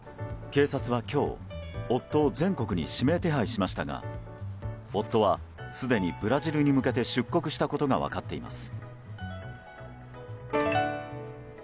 警察は今日、夫を全国に指名手配しましたが夫はすでにブラジルに向けて出国したことが分かっています。